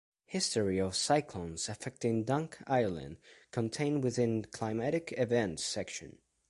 History of cyclones affecting Dunk Island contained within Climatic Events section.